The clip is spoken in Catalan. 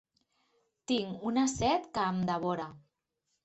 Tinc una set que em devora.